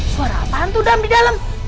suara apaan tuh dam di dalam